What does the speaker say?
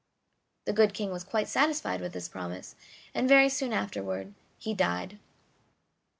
The good King was quite satisfied with this promise; and very soon afterward he died.